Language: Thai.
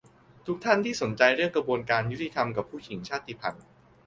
ทุกท่านที่สนใจเรื่องกระบวนการยุติธรรมกับผู้หญิงชาติพันธุ์